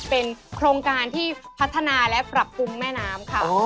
เป็นโครงการที่พัฒนาและปรับปรุงแม่น้ำค่ะ